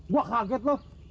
wah kaget loh